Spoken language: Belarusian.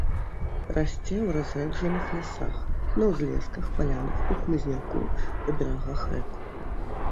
Расце ў разрэджаных лясах, на ўзлесках, палянах, у хмызняку па берагах рэк.